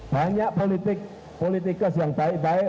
banyak politik politikus yang baik baik